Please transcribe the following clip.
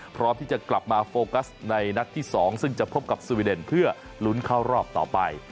พร้อมที่จะกลับมาโฟกัสในนัดที่๒ซึ่งจะพบกับสวีเดนเพื่อลุ้นเข้ารอบต่อไป